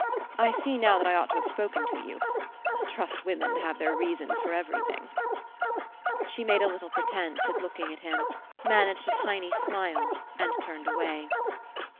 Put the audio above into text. I see now that I ought to have spoken to you. Trust women to have their reasons for everything." She made a little pretence at looking at 162 FINALE him, managed a tiny smile, and turned away.